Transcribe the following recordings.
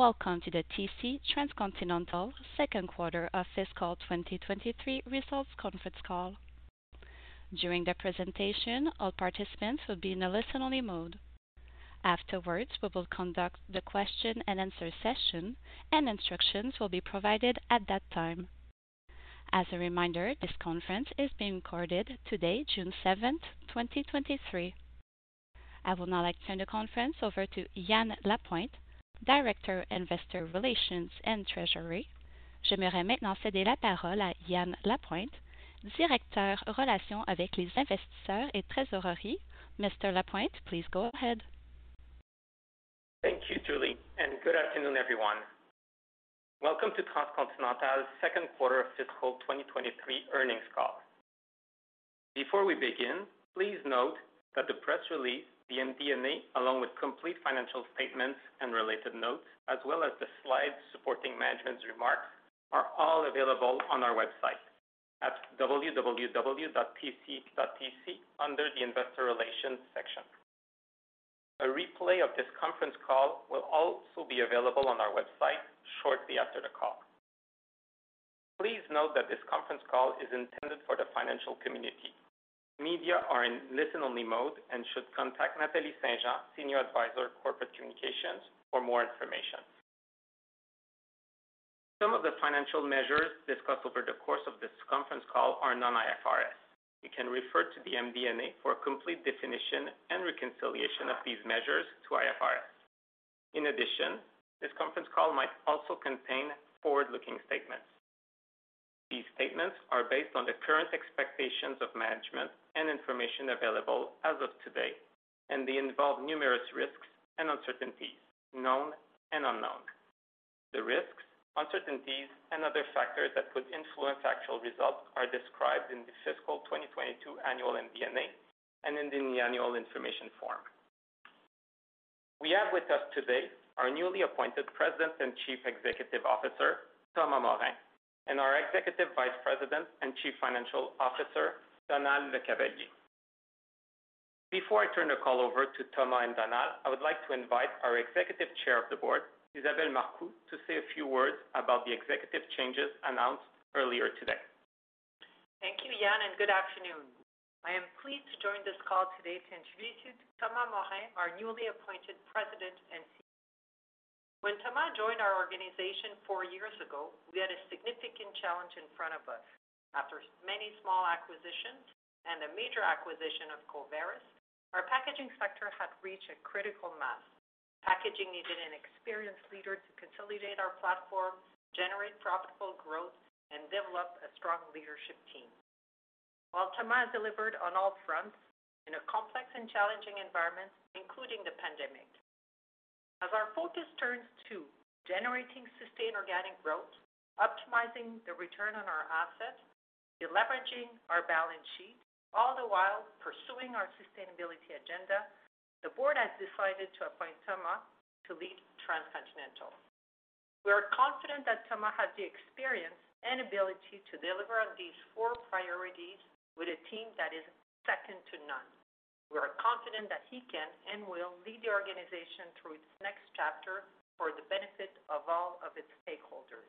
Welcome to the TC Transcontinental 2Q of fiscal 2023 results conference call. During the presentation, all participants will be in a listen-only mode. Afterwards, we will conduct the question-and-answer session, and instructions will be provided at that time. As a reminder, this conference is being recorded today, June 7, 2023. I will now like to turn the conference over to Yan Lapointe, Director, Investor Relations and Treasury. J'aimerais maintenant céder la parole à Yan Lapointe, Directeur, Relations avec les investisseurs et trésorerie. Mr. Lapointe, please go ahead. Thank you, Julie. Good afternoon, everyone. Welcome to Transcontinental's Q2 of fiscal 2023 earnings call. Before we begin, please note that the press release, the MD&A, along with complete financial statements and related notes, as well as the slides supporting management's remarks, are all available on our website at www.tc.tc under the Investor Relations section. A replay of this conference call will also be available on our website shortly after the call. Please note that this conference call is intended for the financial community. Media are in listen-only mode and should contact Nathalie St-Jean, Senior Advisor, Corporate Communications, for more information. Some of the financial measures discussed over the course of this conference call are non-IFRS. You can refer to the MD&A for a complete definition and reconciliation of these measures to IFRS. This conference call might also contain forward-looking statements. These statements are based on the current expectations of management and information available as of today. They involve numerous risks and uncertainties, known and unknown. The risks, uncertainties, and other factors that could influence actual results are described in the fiscal 2022 annual MD&A and in the annual information form. We have with us today our newly appointed President and Chief Executive Officer, Thomas Morin, and our Executive Vice President and Chief Financial Officer, Donald LeCavalier. Before I turn the call over to Thomas and Donald, I would like to invite our Executive Chair of the Board, Isabelle Marcoux, to say a few words about the executive changes announced earlier today. Thank you, Yan, and good afternoon. I am pleased to join this call today to introduce Thomas Morin, our newly appointed President and CEO. When Thomas joined our organization four years ago, we had a significant challenge in front of us. After many small acquisitions and a major acquisition of Coveris, our packaging sector had reached a critical mass. Packaging needed an experienced leader to consolidate our platform, generate profitable growth, and develop a strong leadership team. Well, Thomas delivered on all fronts in a complex and challenging environment, including the pandemic. As our focus turns to generating sustained organic growth, optimizing the return on our assets, deleveraging our balance sheet, all the while pursuing our sustainability agenda, the board has decided to appoint Thomas to lead Transcontinental. We are confident that Thomas has the experience and ability to deliver on these four priorities with a team that is second to none. We are confident that he can and will lead the organization through its next chapter for the benefit of all of its stakeholders.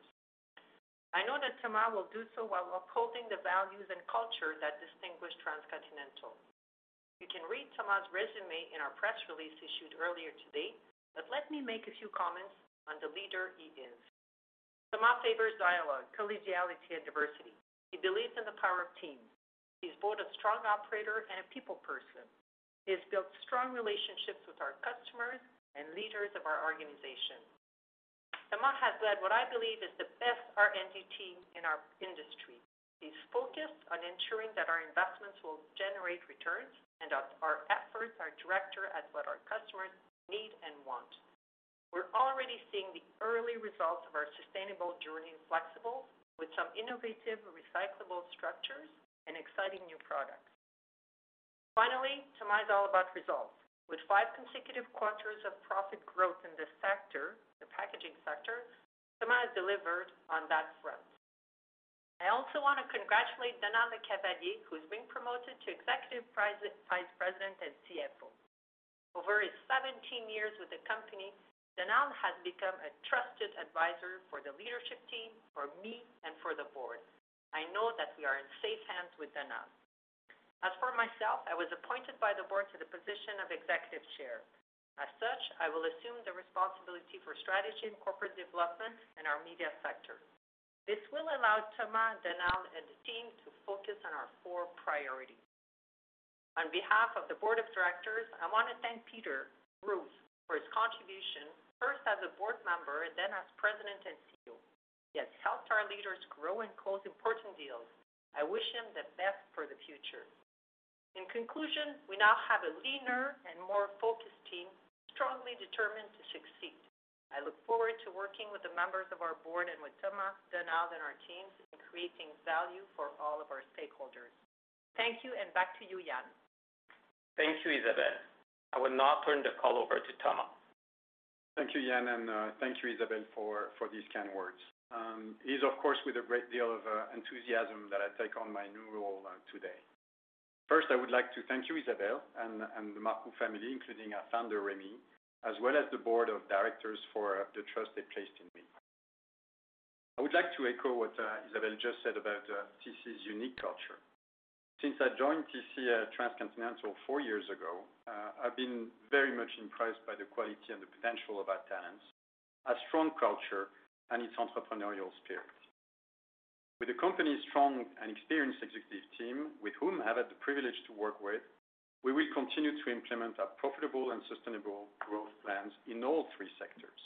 I know that Thomas will do so while upholding the values and culture that distinguish Transcontinental. You can read Thomas's resume in our press release issued earlier today, but let me make a few comments on the leader he is. Thomas favors dialogue, collegiality, and diversity. He believes in the power of teams. He's both a strong operator and a people person. He has built strong relationships with our customers and leaders of our organization. Thomas has led what I believe is the best R&D team in our industry. He's focused on ensuring that our investments will generate returns and that our efforts are directed at what our customers need and want. We're already seeing the early results of our sustainable journey in Flexible, with some innovative Recycle Ready structures and exciting new products. Thomas is all about results. With 5 consecutive quarters of profit growth in this sector, the packaging sector, Thomas Morin delivered on that front. I also want to congratulate Donald LeCavalier, who's been promoted to Executive Vice President and CFO. Over his 17 years with the company, Donald has become a trusted advisor for the leadership team, for me, and for the board. I know that we are in safe hands with Donald. As for myself, I was appointed by the board to the position of Executive Chair. I will assume the responsibility for strategy and corporate development in our media sector. This will allow Thomas, Donald, and the team to focus on our four priorities. On behalf of the Board of Directors, I want to thank Peter Brues for his contribution, first as a board member and then as President and CEO. He has helped our leaders grow and close important deals. I wish him the best for the future. In conclusion, we now have a leaner and more focused team, strongly determined to succeed. I look forward to working with the members of our board and with Thomas, Donald, and our teams in creating value for all of our stakeholders. Thank you, and back to you, Yan. Thank you, Isabelle. I will now turn the call over to Thomas. Thank you, Yan, and thank you, Isabelle, for these kind words. It is, of course, with a great deal of enthusiasm that I take on my new role today. First, I would like to thank you, Isabelle, and the Marcoux family, including our founder, Rémy, as well as the board of directors for the trust they placed in me. I would like to echo what Isabelle just said about TC's unique culture. Since I joined TC Transcontinental four years ago, I've been very much impressed by the quality and the potential of our talents, our strong culture, and its entrepreneurial spirit. With the company's strong and experienced executive team, with whom I've had the privilege to work with, we will continue to implement our profitable and sustainable growth plans in all three sectors.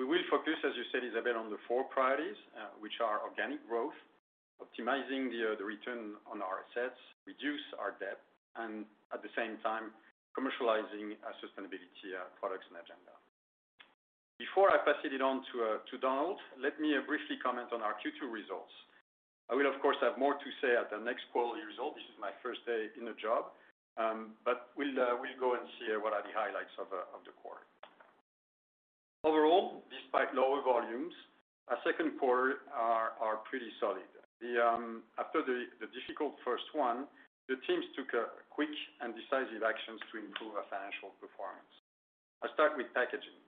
We will focus, as you said, Isabelle, on the 4 priorities, which are organic growth, optimizing the return on our assets, reduce our debt, and at the same time, commercializing our sustainability products and agenda. Before I pass it on to Donald, let me briefly comment on our Q2 results. I will, of course, have more to say at the next quarterly result. This is my 1st day in the job, but we'll go and see what are the highlights of the quarter. Overall, despite lower volumes, our Q2 are pretty solid. The, after the difficult 1st one, the teams took quick and decisive actions to improve our financial performance. I'll start with packaging.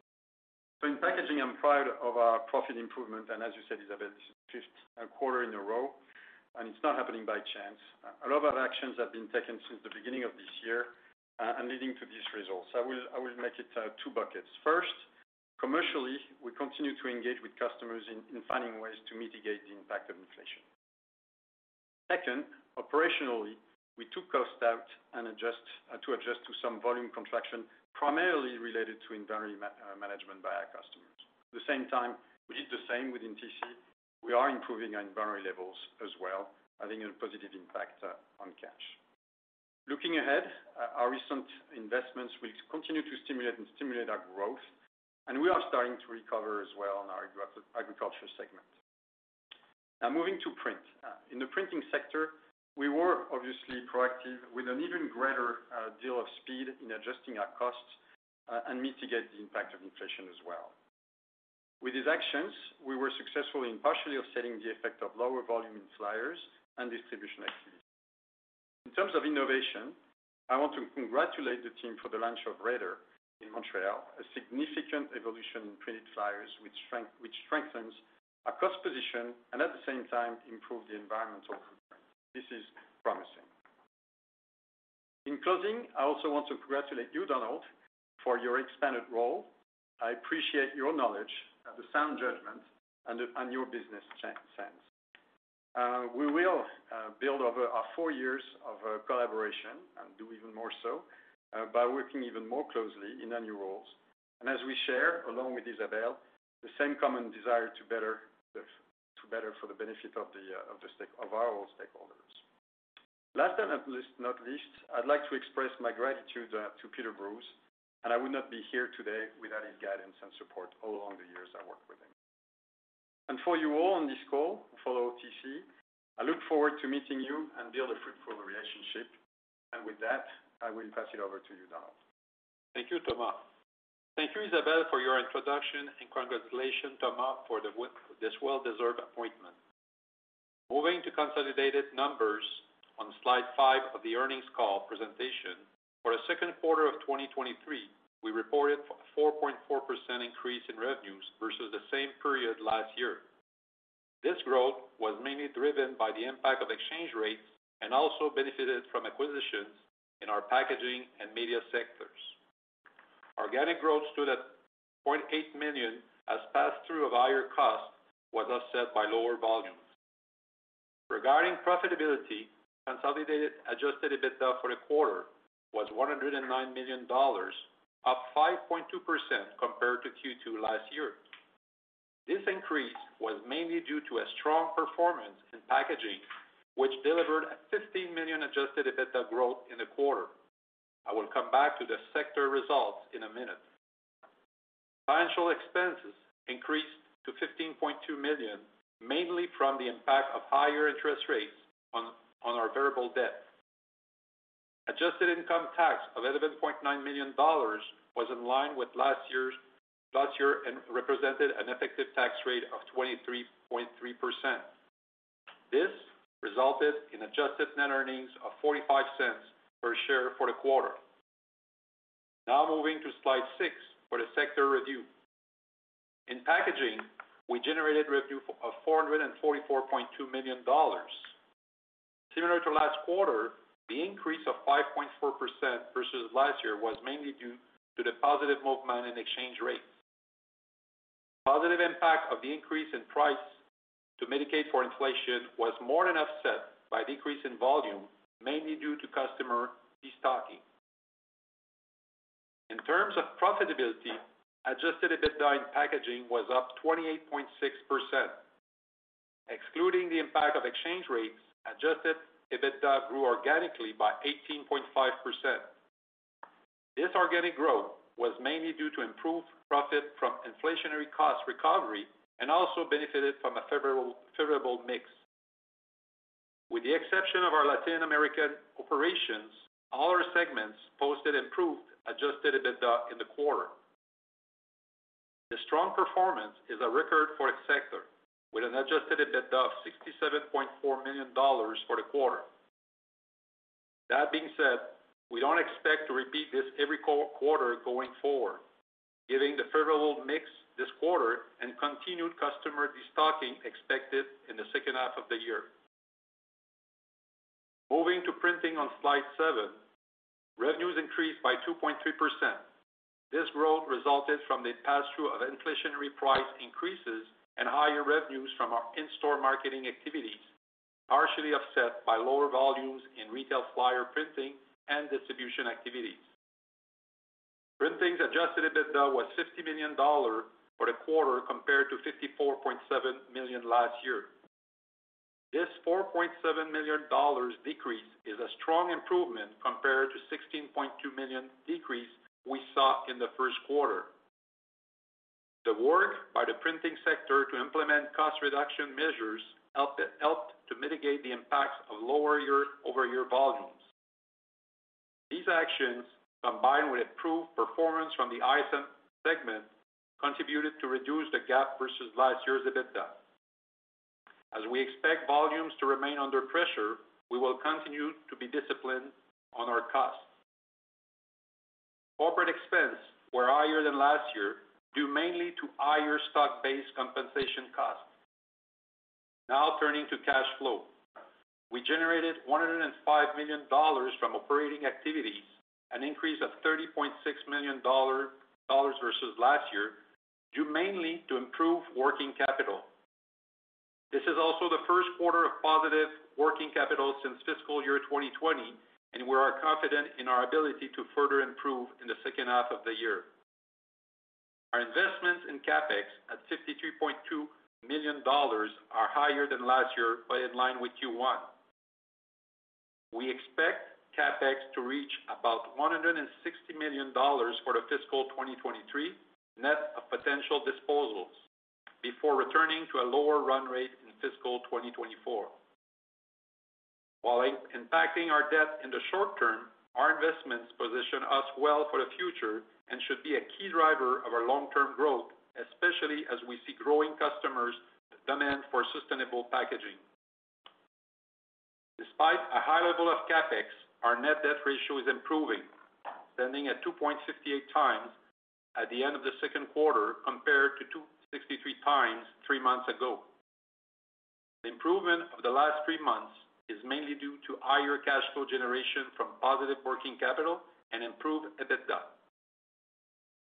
In packaging, I'm proud of our profit improvement, and as you said, Isabelle, this is Q5 in a row, and it's not happening by chance. A lot of actions have been taken since the beginning of this year, and leading to these results. I will make it two buckets. First, commercially, we continue to engage with customers in finding ways to mitigate the impact of inflation. Second, operationally, we took costs out to adjust to some volume contraction, primarily related to inventory management by our customers. At the same time, we did the same within TC. We are improving our inventory levels as well, having a positive impact on cash. Looking ahead, our recent investments will continue to stimulate our growth, and we are starting to recover as well on our agriculture segment. Now moving to print. In the printing sector, we were obviously proactive with an even greater deal of speed in adjusting our costs and mitigate the impact of inflation as well. With these actions, we were successful in partially offsetting the effect of lower volume in flyers and distribution activities. In terms of innovation, I want to congratulate the team for the launch of raddar in Montreal, a significant evolution in printed flyers, which strengthens our cost position and at the same time, improve the environmental footprint. This is promising. In closing, I also want to congratulate you, Donald, for your expanded role. I appreciate your knowledge, the sound judgment, and your business sense. We will build over our four years of collaboration and do even more so by working even more closely in our new roles. As we share, along with Isabelle, the same common desire to better for the benefit of our stakeholders. Last and not least, I'd like to express my gratitude to Peter Brues, and I would not be here today without his guidance and support all along the years I worked with him. For you all on this call, follow TC, I look forward to meeting you and build a fruitful relationship. With that, I will pass it over to you, Donald. Thank you, Thomas. Thank you, Isabelle, for your introduction, and congratulations, Thomas, for this well-deserved appointment. Moving to consolidated numbers on slide 5 of the earnings call presentation. For the Q2 of 2023, we reported 4.4% increase in revenues versus the same period last year. This growth was mainly driven by the impact of exchange rates and also benefited from acquisitions in our packaging and media sectors. Organic growth stood at 0.8 million, as pass-through of higher cost was offset by lower volumes. Regarding profitability, consolidated Adjusted EBITDA for the quarter was 109 million dollars, up 5.2% compared to Q2 last year. This increase was mainly due to a strong performance in packaging, which delivered a 15 million Adjusted EBITDA growth in the quarter. I will come back to the sector results in a minute. Financial expenses increased to 15.2 million, mainly from the impact of higher interest rates on our variable debt. Adjusted income tax of 11.9 million dollars was in line with last year's and represented an effective tax rate of 23.3%. This resulted in Adjusted Net Earnings of 0.45 per share for the quarter. Moving to slide 6 for the sector review. In packaging, we generated revenue of 444.2 million dollars. Similar to last quarter, the increase of 5.4% versus last year was mainly due to the positive movement in exchange rates. Positive impact of the increase in price to mitigate for inflation was more than offset by decrease in volume, mainly due to customer destocking. In terms of profitability, Adjusted EBITDA in packaging was up 28.6%. Excluding the impact of exchange rates, Adjusted EBITDA grew organically by 18.5%. This organic growth was mainly due to improved profit from inflationary cost recovery and also benefited from a favorable mix. With the exception of our Latin American operations, all our segments posted improved Adjusted EBITDA in the quarter. Strong performance is a record for its sector, with an Adjusted EBITDA of 67.4 million dollars for the quarter. That being said, we don't expect to repeat this every quarter going forward, giving the favorable mix this quarter and continued customer destocking expected in the second half of the year. Moving to printing on slide 7, revenues increased by 2.3%. This growth resulted from the pass-through of inflationary price increases and higher revenues from our in-store marketing activities, partially offset by lower volumes in retail flyer printing and distribution activities. Printing's Adjusted EBITDA was 50 million dollars for the quarter, compared to 54.7 million last year. This 4.7 million dollars decrease is a strong improvement compared to 16.2 million decrease we saw in the Q1. The work by the printing sector to implement cost reduction measures helped to mitigate the impacts of lower year-over-year volumes. These actions, combined with improved performance from the ISM segment, contributed to reduce the gap versus last year's EBITDA. As we expect volumes to remain under pressure, we will continue to be disciplined on our costs. Corporate expense were higher than last year, due mainly to higher stock-based compensation costs. Turning to cash flow. We generated 105 million dollars from operating activities, an increase of 30.6 million dollars versus last year, due mainly to improved working capital. This is also the Q1 of positive working capital since fiscal year 2020, and we are confident in our ability to further improve in the second half of the year. Our investments in CapEx, at $52.2 million, are higher than last year, but in line with Q1. We expect CapEx to reach about $160 million for the fiscal 2023, net of potential disposals, before returning to a lower run rate in fiscal 2024. While impacting our debt in the short term, our investments position us well for the future and should be a key driver of our long-term growth, especially as we see growing customers' demand for sustainable packaging. Despite a high level of CapEx, our net debt ratio is improving, standing at 2.68x at the end of the Q2, compared to 2.63x three months ago. The improvement of the last three months is mainly due to higher cash flow generation from positive working capital and improved EBITDA.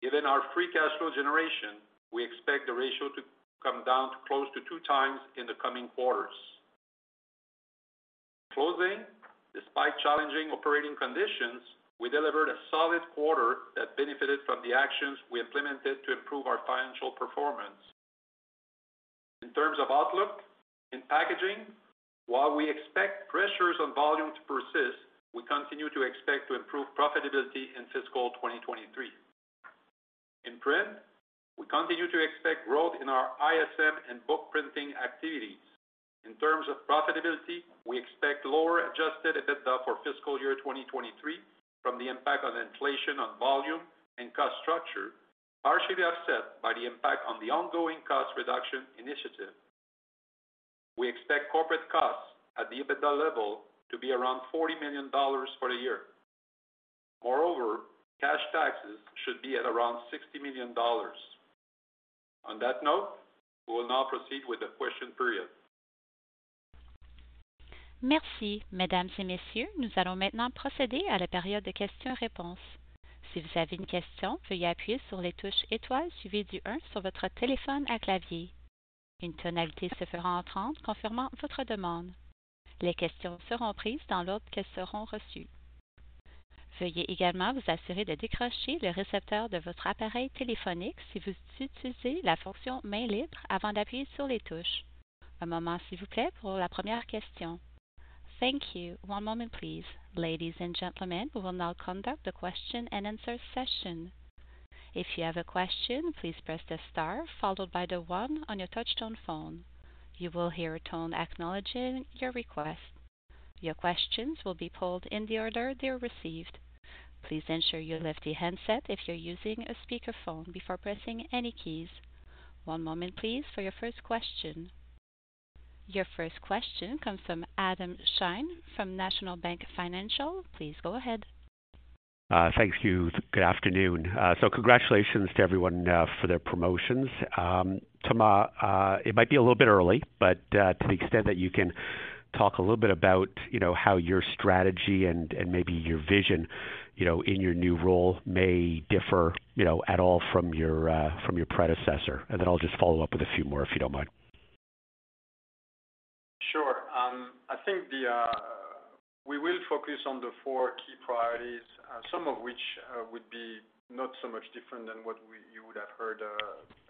Given our free cash flow generation, we expect the ratio to come down to close to 2x in the coming quarters. In closing, despite challenging operating conditions, we delivered a solid quarter that benefited from the actions we implemented to improve our financial performance. In terms of outlook, in packaging, while we expect pressures on volume to persist, we continue to expect to improve profitability in fiscal 2023. In print, we continue to expect growth in our ISM and book printing activities. In terms of profitability, we expect lower Adjusted EBITDA for fiscal year 2023 from the impact of inflation on volume and cost structure, partially offset by the impact on the ongoing cost reduction initiative. We expect corporate costs at the EBITDA level to be around $40 million for the year. Cash taxes should be at around $60 million. On that note, we will now proceed with the question period. Merci, Mesdames et Messieurs. Nous allons maintenant procéder à la période de questions-réponses. Si vous avez une question, veuillez appuyer sur les touches étoiles suivies du 1 sur votre téléphone à clavier. Une tonalité se fera entendre confirmant votre demande. Les questions seront prises dans l'ordre qu'elles seront reçues. Veuillez également vous assurer de décrocher le récepteur de votre appareil téléphonique si vous utilisez la fonction mains-libres avant d'appuyer sur les touches. Un moment, s'il vous plaît, pour la première question. Thank you. One moment, please. Ladies and gentlemen, we will now conduct the question-and-answer session. If you have a question, please press the star followed by the 1 on your touchtone phone. You will hear a tone acknowledging your request. Your questions will be polled in the order they are received. Please ensure you lift the handset if you're using a speakerphone before pressing any keys. One moment please, for your first question. Your first question comes from Adam Shine from National Bank Financial. Please go ahead. Thank you. Good afternoon. Congratulations to everyone, for their promotions. Thomas, it might be a little bit early, but to the extent that you can talk a little bit about, you kn ow, how your strategy and maybe your vision, you know, in your new role may differ, you know, at all from your predecessor, I'll just follow up with a few more, if you don't mind. Sure. I think the we will focus on the four key priorities, some of which would be not so much different than what we, you would have heard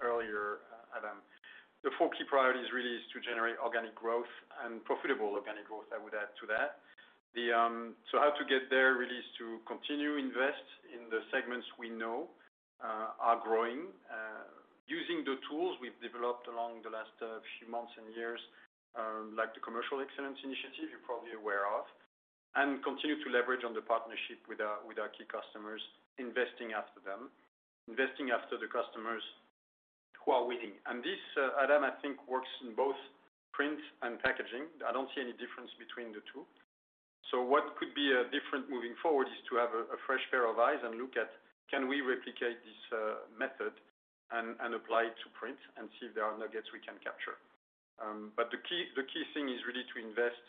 earlier, Adam. The four key priorities really is to generate organic growth and profitable organic growth, I would add to that. The how to get there really is to continue to invest in the segments we know are growing using the tools- developed along the last few months and years, like the commercial excellence initiative, you're probably aware of, and continue to leverage on the partnership with our, with our key customers, investing after them. Investing after the customers who are winning. This, Adam, I think, works in both print and packaging. I don't see any difference between the two. What could be different moving forward is to have a fresh pair of eyes and look at, can we replicate this method and apply it to print and see if there are nuggets we can capture? The key thing is really to invest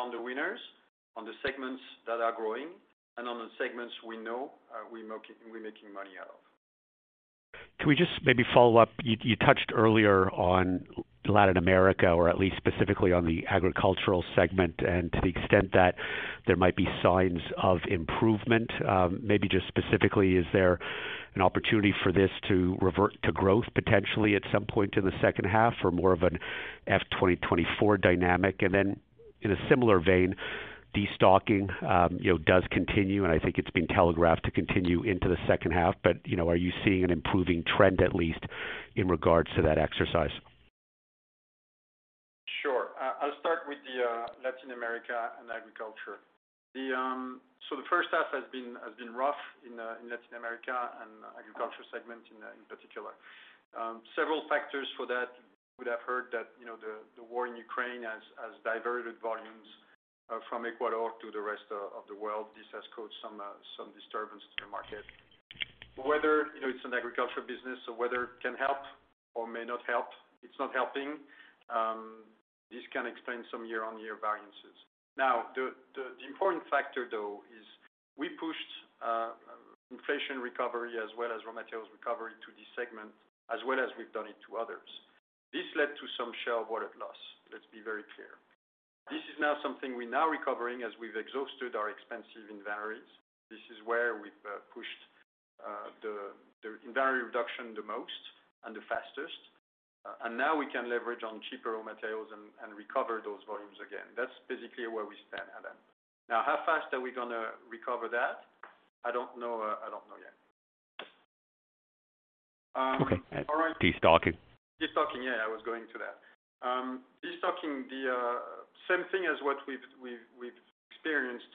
on the winners, on the segments that are growing, and on the segments we know we making money out of. Can we just maybe follow up? You touched earlier on Latin America, or at least specifically on the agricultural segment, and to the extent that there might be signs of improvement. Maybe just specifically, is there an opportunity for this to revert to growth, potentially, at some point in the second half, or more of an F 2024 dynamic? In a similar vein, destocking, you know, does continue, and I think it's been telegraphed to continue into the second half, but, you know, are you seeing an improving trend, at least, in regards to that exercise? Sure. I'll start with the Latin America and agriculture. The first half has been rough in Latin America and agriculture segment in particular. Several factors for that. You would have heard that, you know, the war in Ukraine has diverted volumes from Ecuador to the rest of the world. This has caused some disturbance to the market. Whether, you know, it's an agriculture business, so weather can help or may not help, it's not helping. This can explain some year-on-year variances. The important factor, though, is we pushed inflation recovery as well as raw materials recovery to this segment, as well as we've done it to others. This led to some share of wallet loss. Let's be very clear. This is now something we're now recovering as we've exhausted our expensive inventories. This is where we've pushed the inventory reduction the most and the fastest. Now we can leverage on cheaper raw materials and recover those volumes again. That's basically where we stand, Adam. Now, how fast are we gonna recover that? I don't know. I don't know yet. All right. Okay. Destocking. Destocking, yeah, I was going to that. Destocking, the same thing as what we've experienced.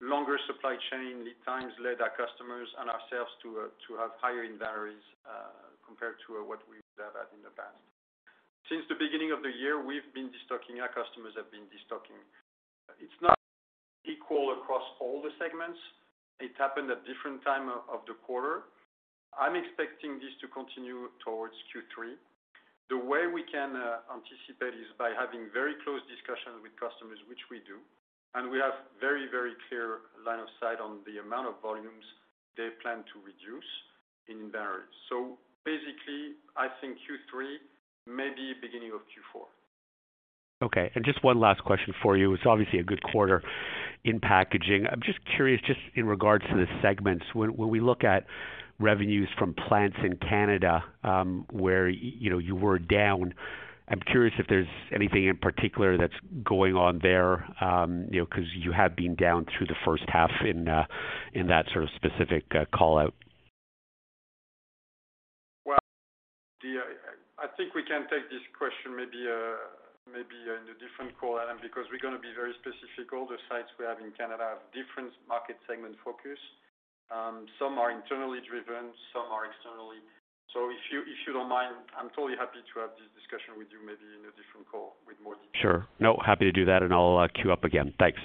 Longer supply chain lead times led our customers and ourselves to have higher inventories compared to what we've had in the past. Since the beginning of the year, we've been destocking, our customers have been destocking. It's not equal across all the segments. It happened at different time of the quarter. I'm expecting this to continue towards Q3. The way we can anticipate is by having very close discussions with customers, which we do, and we have very clear line of sight on the amount of volumes they plan to reduce in inventories. Basically, I think Q3, maybe beginning of Q4. Okay, just one last question for you. It's obviously a good quarter in packaging. I'm just curious, just in regards to the segments, when we look at revenues from plants in Canada, where you know, you were down, I'm curious if there's anything in particular that's going on there. You know, 'cause you have been down through the first half in that sort of specific call-out. I think we can take this question maybe in a different call, Adam, because we're gonna be very specific. All the sites we have in Canada have different market segment focus. Some are internally driven, some are externally. If you, if you don't mind, I'm totally happy to have this discussion with you, maybe in a different call with more detail. Sure. No, happy to do that, and I'll queue up again. Thanks.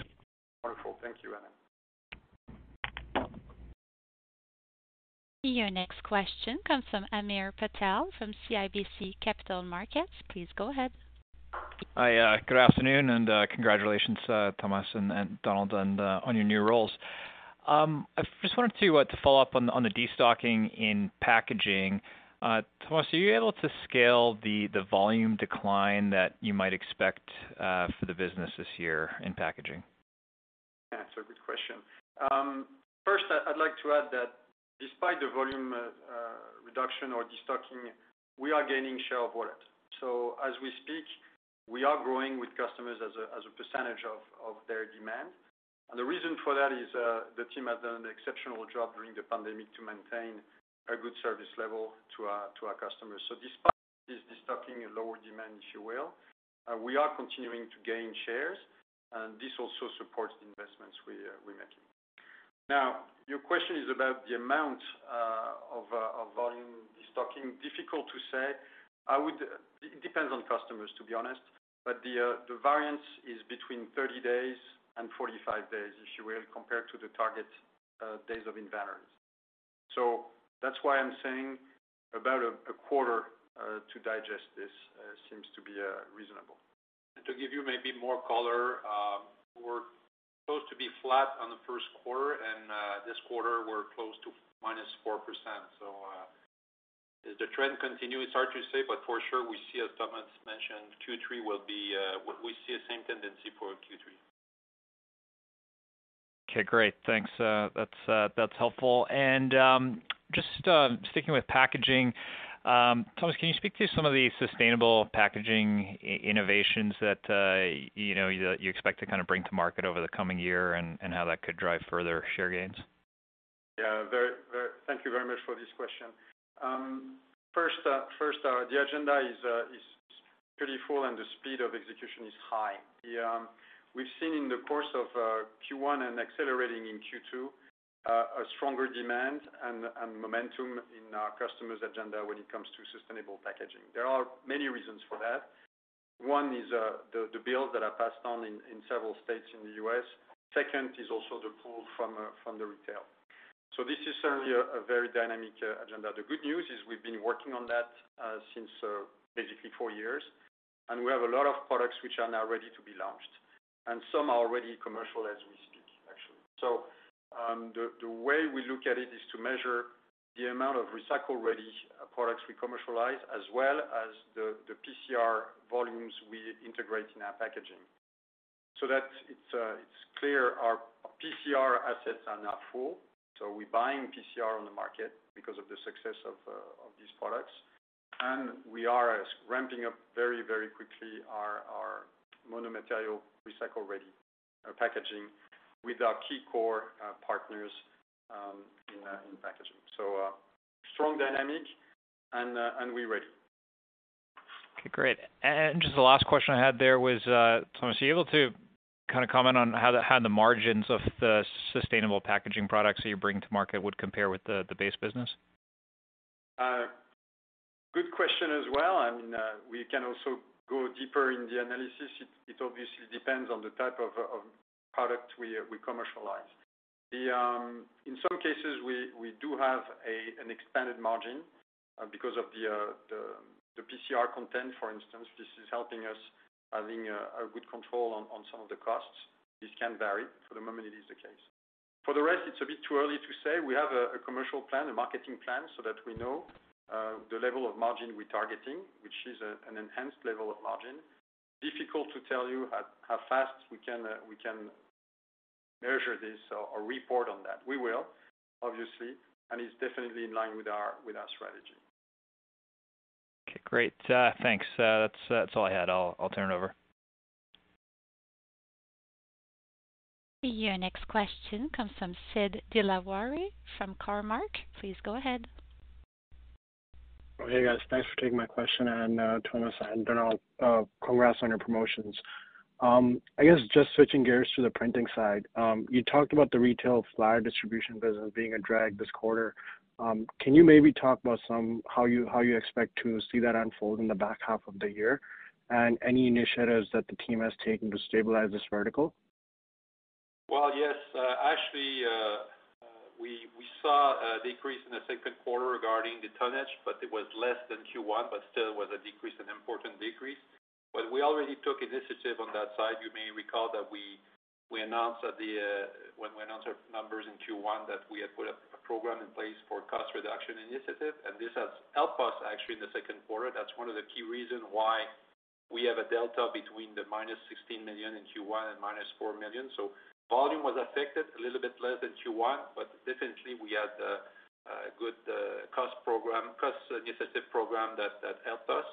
Wonderful. Thank you, Adam. Your next question comes from Hamir Patel from CIBC Capital Markets. Please go ahead. Hi, good afternoon, and congratulations, Thomas and Donald, on your new roles. I just wanted to follow up on the destocking in packaging. Thomas, are you able to scale the volume decline that you might expect for the business this year in packaging? It's a good question. First, I'd like to add that despite the volume reduction or destocking, we are gaining share of wallet. As we speak, we are growing with customers as a percentage of their demand. The reason for that is the team has done an exceptional job during the pandemic to maintain a good service level to our customers. Despite this destocking and lower demand, if you will, we are continuing to gain shares, and this also supports the investments we're making. Your question is about the amount of volume destocking. Difficult to say. Depends on customers, to be honest, but the variance is between 30 days and 45 days, if you will, compared to the target days of inventories. That's why I'm saying about a quarter, to digest this, seems to be reasonable. To give you maybe more color, we're supposed to be flat on the Q1, this quarter, we're close to minus 4%. Does the trend continue? It's hard to say, but for sure, we see, as Thomas mentioned, Q3 will be, we see the same tendency for Q3. Okay, great. Thanks, that's helpful. Just sticking with packaging, Thomas, can you speak to some of the sustainable packaging innovations that, you know, you expect to kind of bring to market over the coming year and how that could drive further share gains? Yeah, very, thank you very much for this question. First, the agenda is pretty full, and the speed of execution is high. We've seen in the course of Q1 and accelerating in Q2, a stronger demand and momentum in our customers' agenda when it comes to sustainable packaging. There are many reasons for that. One is the bills that are passed on in several states in the U.S. Second is also the pull from the retail. This is certainly a very dynamic agenda. The good news is we've been working on that since basically 4 years, and we have a lot of products which are now ready to be launched, and some are already commercial as we speak, actually. The way we look at it is to measure the amount of Recycle Ready products we commercialize, as well as the PCR volumes we integrate in our packaging. That it's clear our PCR assets are now full, so we're buying PCR on the market because of the success of these products. We are ramping up very quickly our mono-material Recycle Ready packaging with our key core partners in packaging. Strong dynamic and we're ready. Okay, great. Just the last question I had there was, Thomas, are you able to kind of comment on how the margins of the sustainable packaging products that you bring to market would compare with the base business? Good question as well. We can also go deeper in the analysis. It obviously depends on the type of product we commercialize. In some cases, we do have an expanded margin because of the PCR content, for instance. This is helping us having a good control on some of the costs. This can vary. For the moment, it is the case. For the rest, it's a bit too early to say. We have a commercial plan, a marketing plan, so that we know the level of margin we're targeting, which is an enhanced level of margin. Difficult to tell you how fast we can measure this or report on that. We will, obviously. It's definitely in line with our strategy. Okay, great. Thanks. That's all I had. I'll turn it over. Your next question comes from Sid Dilawari from Cormark. Please go ahead. Hey, guys. Thanks for taking my question. Thomas and Donald, congrats on your promotions. I guess just switching gears to the printing side, you talked about the retail flyer distribution business being a drag this quarter. Can you maybe talk about how you expect to see that unfold in the back half of the year, and any initiatives that the team has taken to stabilize this vertical? Well, yes, actually, we saw a decrease in the Q2 regarding the tonnage, but it was less than Q1, but still was a decrease, an important decrease. We already took initiative on that side. You may recall that we announced when we announced our numbers in Q1, that we had put a program in place for cost reduction initiative, and this has helped us actually in the Q2. That's one of the key reasons why we have a delta between the -16 million in Q1 and -4 million. Volume was affected a little bit less than Q1, but definitely we had a good cost program, cost initiative program that helped us.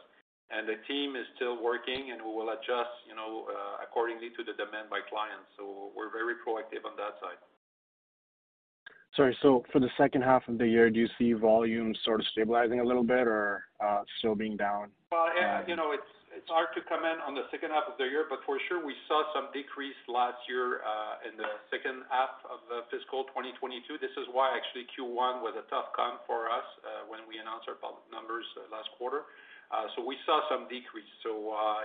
The team is still working, and we will adjust, you know, accordingly to the demand by clients. We're very proactive on that side. Sorry, for the second half of the year, do you see volume sort of stabilizing a little bit or still being down? Well, yeah, you know, it's hard to comment on the second half of the year, but for sure, we saw some decrease last year in the second half of the fiscal 2022. This is why actually Q1 was a tough comp for us when we announced our public numbers last quarter. We saw some decrease.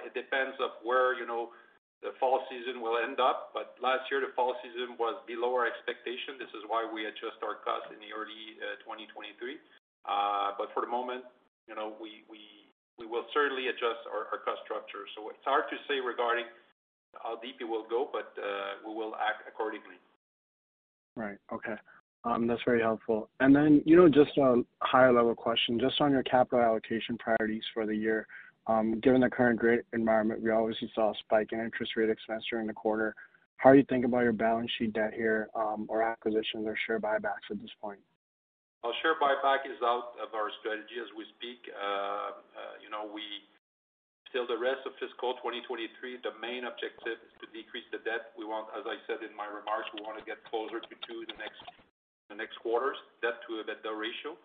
It depends on where, you know, the fall season will end up. But last year, the fall season was below our expectation. This is why we adjusted our costs in the early 2023. But for the moment, you know, we will certainly adjust our cost structure. It's hard to say regarding how deep it will go, but we will act accordingly. Right. Okay, that's very helpful. You know, just a higher level question, just on your capital allocation priorities for the year. Given the current rate environment, we obviously saw a spike in interest rate expense during the quarter. How do you think about your balance sheet debt here, or acquisitions or share buybacks at this point? Share buyback is out of our strategy as we speak. You know, Still, the rest of fiscal 2023, the main objective is to decrease the debt. We want, as I said in my remarks, we want to get closer to 2 the next quarters, debt to EBITDA ratio.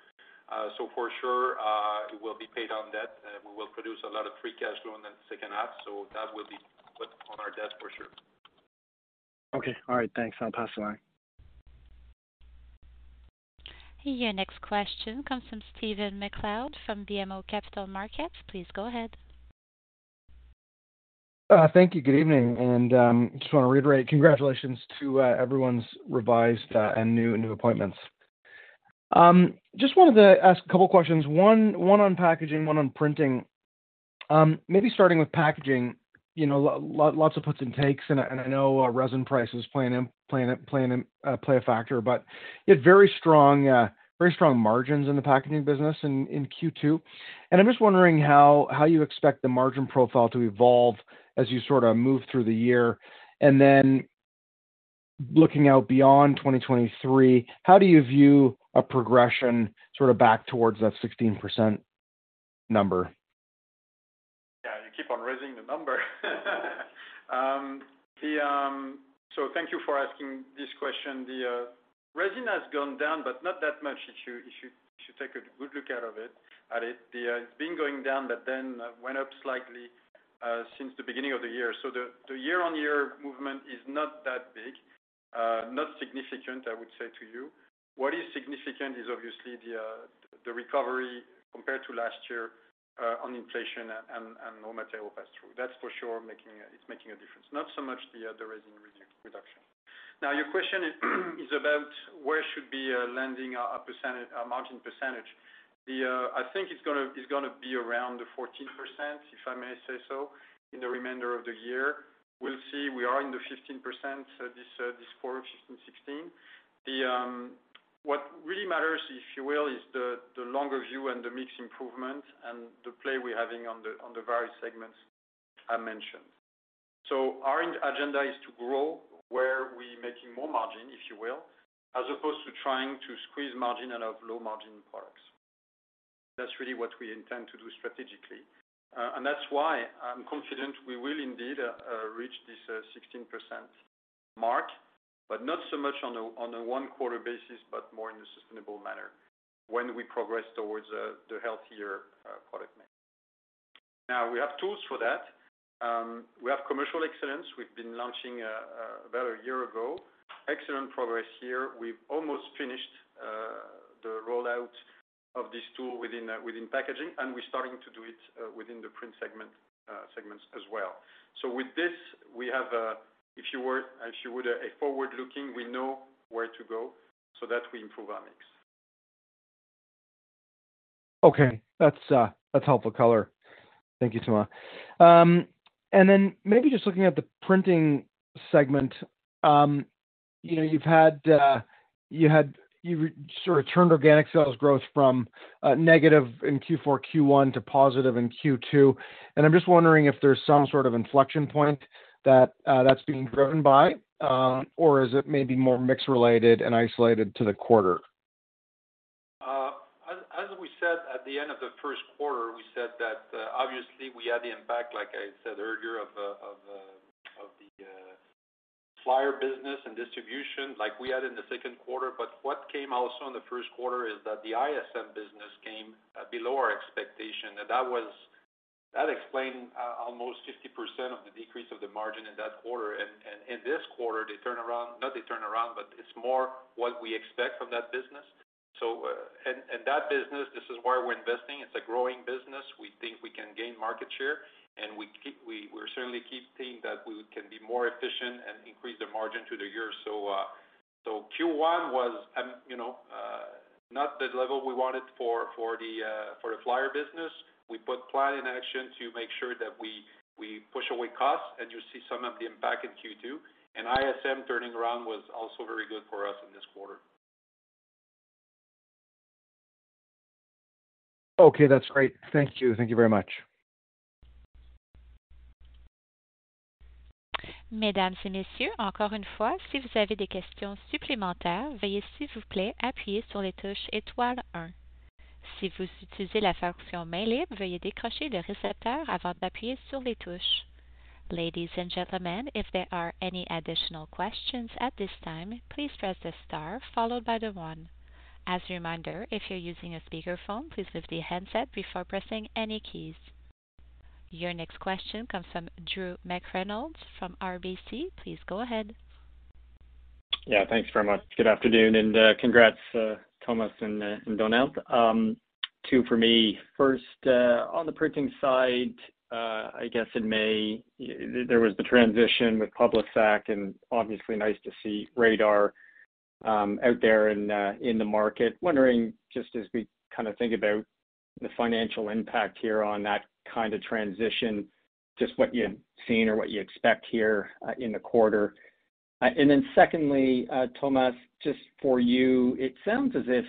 For sure, it will be paid on debt, and we will produce a lot of free cash flow in the second half, so that will be put on our debt for sure. Okay, all right, thanks. I'll pass the line. Your next question comes from Stephen MacLeod from BMO Capital Markets. Please go ahead. Thank you. Good evening, just want to reiterate congratulations to everyone's revised and new appointments. Just wanted to ask a couple of questions, one on packaging, one on printing. Maybe starting with packaging, you know, lots of puts and takes, and I know resin prices playing a factor, but yet very strong margins in the packaging business in Q2. I'm just wondering how you expect the margin profile to evolve as you sort of move through the year. Looking out beyond 2023, how do you view a progression sort of back towards that 16% number? ... Keep on raising the number. Thank you for asking this question. The resin has gone down, but not that much if you take a good look at it. It's been going down, went up slightly since the beginning of the year. The year-on-year movement is not that big, not significant, I would say to you. What is significant is obviously the recovery compared to last year on inflation and raw material pass-through. That's for sure, It's making a difference. Not so much the resin reduction. Your question is about where should be landing a percentage, a margin percentage. I think it's gonna be around the 14%, if I may say so, in the remainder of the year. We'll see. We are in the 15% this quarter, 15%, 16%. What really matters, if you will, is the longer view and the mix improvement and the play we're having on the various segments I mentioned. Our agenda is to grow where we're making more margin, if you will, as opposed to trying to squeeze margin out of low-margin products. That's really what we intend to do strategically. That's why I'm confident we will indeed reach this 16% mark, but not so much on a one-quarter basis, but more in a sustainable manner when we progress towards the healthier product mix. We have tools for that. We have commercial excellence. We've been launching about a year ago. Excellent progress here. We've almost finished the rollout of this tool within packaging, and we're starting to do it within the print segments as well. With this, we have a, if you were, if you would, a forward-looking, we know where to go so that we improve our mix. Okay. That's helpful color. Thank you, Thomas. Then maybe just looking at the printing segment, you know, You sort of turned organic sales growth from negative in Q4, Q1 to positive in Q2. I'm just wondering if there's some sort of inflection point that's being driven by, or is it maybe more mix-related and isolated to the quarter? As we said at the end of the Q1, we said that obviously, we had the impact, like I said earlier, of the flyer business and distribution like we had in the Q2. What came also in the Q1 is that the ISM business came below our expectation. That explained almost 50% of the decrease of the margin in that quarter. In this quarter, they turn around, not they turn around, but it's more what we expect from that business. That business, this is where we're investing. It's a growing business. We think we can gain market share, and we certainly keep thinking that we can be more efficient and increase the margin through the year. Q1 was, you know, not the level we wanted for the flyer business. We put plan in action to make sure that we push away costs, you see some of the impact in Q2. ISM turning around was also very good for us in this quarter. Okay, that's great. Thank you. Thank you very much. Ladies and gentlemen, if there are any additional questions at this time, please press the star followed by the one. As a reminder, if you're using a speakerphone, please lift the handset before pressing any keys. Your next question comes from Drew McReynolds from RBC. Please go ahead. Thanks very much. Good afternoon, congrats Thomas and Donald. Two for me. First, on the printing side, I guess in May, there was the transition with Publi-Sac, obviously nice to see raddar out there in the market. Wondering, just as we kind of think about the financial impact here on that kind of transition, just what you've seen or what you expect here in the quarter. Secondly, Thomas, just for you, it sounds as if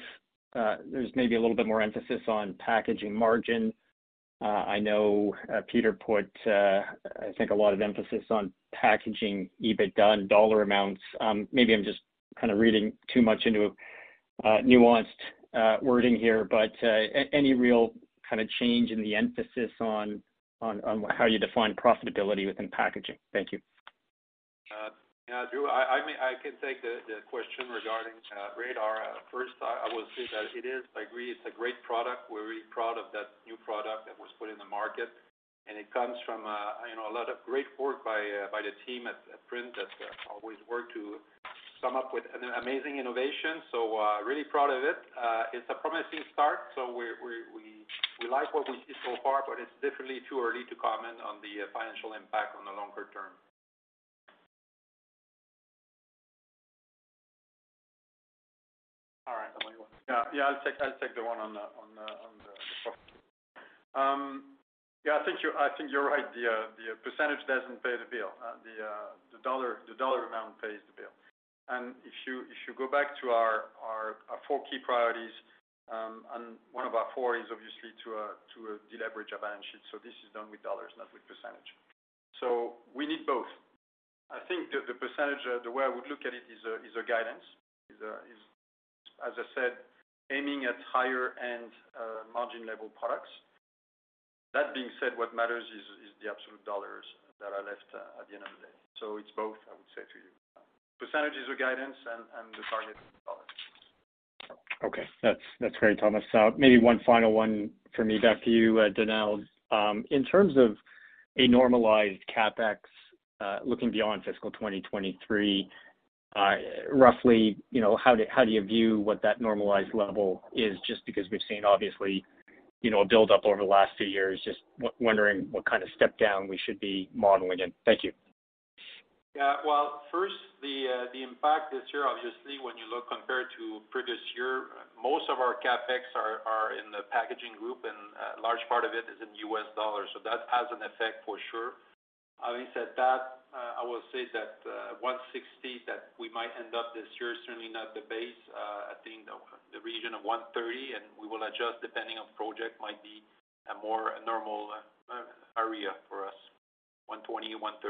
there's maybe a little bit more emphasis on packaging margin. I know, Peter put, I think, a lot of emphasis on packaging, EBITDA, and dollar amounts. Maybe I'm just kind of reading too much into, nuanced, wording here, but, any real kind of change in the emphasis on how you define profitability within packaging? Thank you. Yeah, Drew, I can take the question regarding raddar. First, I will say that it is, I agree, it's a great product. We're really proud of that new product that was put in the market, and it comes from, you know, a lot of great work by the team at Print that always work to come up with an amazing innovation. Really proud of it. It's a promising start, so we like what we see so far, but it's definitely too early to comment on the financial impact on the longer term. All right. Yeah. I'll take the one on the. Yeah, I think you're right. The percentage doesn't pay the bill. The dollar amount pays the bill. If you go back to our 4 key priorities, one of our 4 is obviously to deleverage our balance sheet. This is done with dollars, not with percentage. We need both. I think the percentage, the way I would look at it is a guidance. Is, as I said, aiming at higher-end margin level products. That being said, what matters is the absolute dollars that are left at the end of the day. It's both, I would say to you. Percentage is a guidance and the target is dollars. Okay. That's, that's great, Thomas. Maybe one final one for me back to you, Donald. In terms of a normalized CapEx, looking beyond fiscal 2023, roughly, you know, how do you view what that normalized level is? Just because we've seen, obviously, you know, a buildup over the last two years. Just wondering what kind of step down we should be modeling in. Thank you. Yeah. Well, first, the impact this year, obviously, when you look compared to previous year, most of our CapEx are in the packaging group, and a large part of it is in US dollars, that has an effect for sure. Having said that, I will say that $160 that we might end up this year, is certainly not the base. I think the region of $130, and we will adjust depending on project, might be a more normal area for us, $120 to 130.